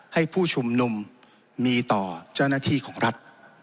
ให้ผู้ชุมนุมมีต่อเจ้าหน้าที่ของรัฐ